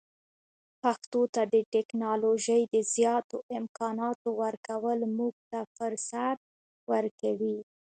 پښتو ته د ټکنالوژۍ د زیاتو امکاناتو ورکول موږ ته فرصت ورکوي.